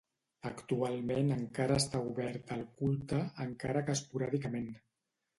Actualment encara està oberta al culte, encara que esporàdicament.